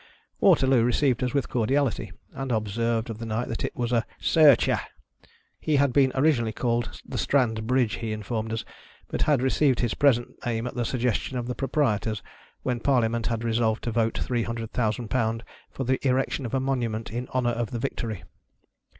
Waterloo received xis with cordiality, and observed of the night that it was "a Searcher." He had been originally called the Strand Bridge, he informed us, but had received his present name at the suggestion of the pro prietors, when Parliament had resolved to vote three hundred thousand pound for the erection of a monument in honor of the victory.